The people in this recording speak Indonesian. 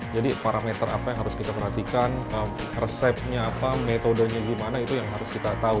jadi parameter apa yang harus kita perhatikan resepnya apa metodenya gimana itu yang harus kita tahu